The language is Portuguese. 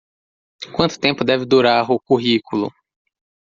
Quanto tempo deve durar o currículo?